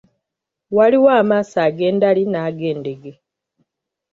Waliwo amaaso ag’endali n'ag’endege.